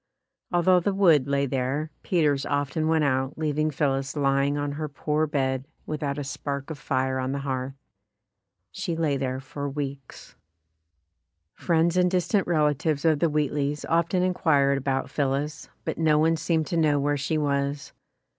Although the wood lay there, Peters often went out, leaving Phillis lying on her poor bed without a spark of fire on the hearth. She lay there for weeks. PHILLIS WHEATLEY [175 Friends and distant relatives of the Wheatleys often inquired about Phillis, but no one seemed to know where she was.